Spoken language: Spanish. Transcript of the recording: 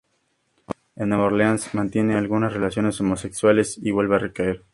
En Nueva Orleans mantiene algunas relaciones homosexuales y vuelve a recaer.